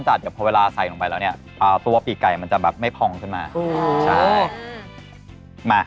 จะเพิ่มเวลาใส่ลงไปแล้วเนี่ยพอไปไก่มันจะแบบไม่พอดขึ้นมา